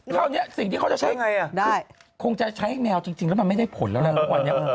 คราวนี้สิ่งที่เขาจะใช้คงจะใช้แมวจริงแล้วมันไม่ได้ผลแล้วแหละทุกวันนี้